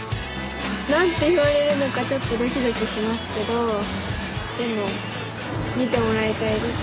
何て言われるのかちょっとドキドキしますけどでも見てもらいたいです。